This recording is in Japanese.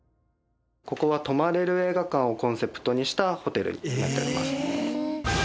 ここは泊まれる映画館をコンセプトにしたホテルになっております。